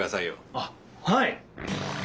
あっはい！